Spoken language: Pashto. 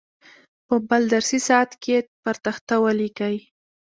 په بل درسي ساعت کې یې پر تخته ولیکئ.